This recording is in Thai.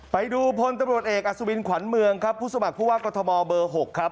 ไปดูพลตบริษัทเอกอสุวินขวัญเมืองผู้สมัครผู้ว่ากฐมอลเบอร์๖